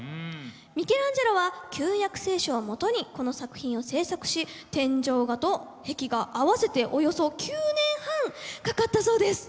ミケランジェロは旧約聖書をもとにこの作品を制作し天井画と壁画合わせておよそ９年半かかったそうです。